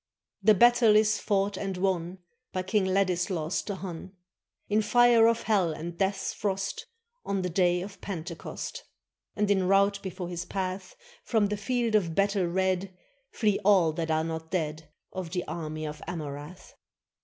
] The battle is fought and won By King Ladislaus the Hun, In fire of hell and death's frost, On the day of Pentecost. And in rout before his path From the field of battle red Flee all that are not dead Of the army of Amurath.